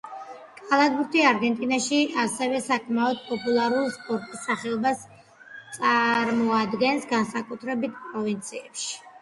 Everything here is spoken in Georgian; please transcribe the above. კალათბურთი არგენტინაში ასევე საკმაოდ პოპულარულ სპორტის სახეობას წარმოადგენს, განსაკუთრებით პროვინციებში.